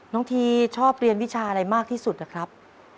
ทีชอบเรียนวิชาอะไรมากที่สุดนะครับ